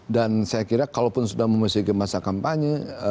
dan saya kira kalau pun sudah memusuhi kemasa kampanye